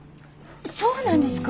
そうなんですか？